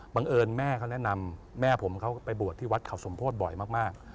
เอิญแม่เขาแนะนำแม่ผมเขาไปบวชที่วัดเขาสมโพธิบ่อยมาก